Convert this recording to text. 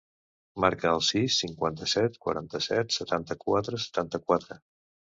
Marca el sis, cinquanta-set, quaranta-set, setanta-quatre, setanta-quatre.